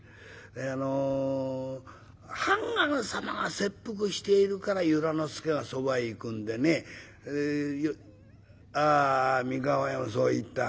あの判官様が切腹しているから由良之助がそばへ行くんでねえああ三河屋もそう言った。